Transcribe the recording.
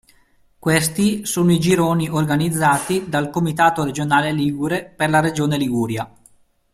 Questi sono i gironi organizzati dal Comitato Regionale Ligure per la regione Liguria.